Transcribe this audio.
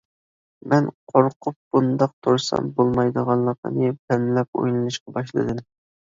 مەن قورقۇپ بۇنداق تۇرسام بولمايدىغانلىقىنى پەملەپ ئويلىنىشقا باشلىدىم.